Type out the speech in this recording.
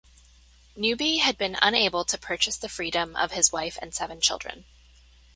Newby had been unable to purchase the freedom of his wife and seven children.